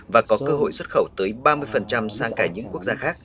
và có cơ hội xuất khẩu tới ba mươi sang cả những quốc gia khác